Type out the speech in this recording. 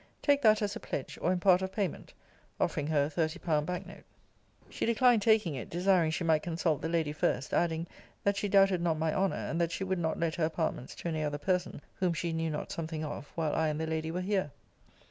Take that as a pledge; or in part of payment offering her a thirty pound bank note. She declined taking it; desiring she might consult the lady first; adding, that she doubted not my honour; and that she would not let her apartments to any other person, whom she knew not something of, while I and the lady were here.